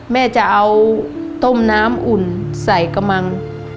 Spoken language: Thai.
แม่จะเอาต้มน้ำอุ่นใส่กระมัง